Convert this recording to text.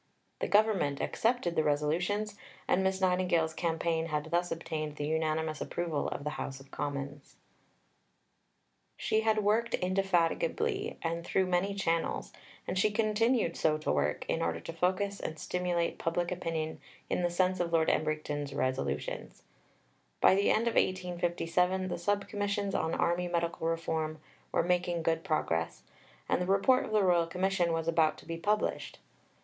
The Government accepted the Resolutions, and Miss Nightingale's campaign had thus obtained the unanimous approval of the House of Commons. At Edinburgh in the autumn of 1856; see above, pp. 321, 328. She had worked indefatigably, and through many channels, and she continued so to work, in order to focus and stimulate public opinion in the sense of Lord Ebrington's Resolutions. By the end of 1857 the Sub Commissions on Army Medical Reform were making good progress, and the Report of the Royal Commission was about to be published.